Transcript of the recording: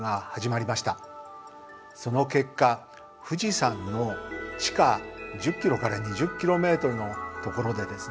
その結果富士山の地下１０ｋｍから２０ｋｍのところでですね